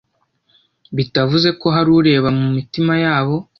bitavuze ko hari ureba mu mitima yabo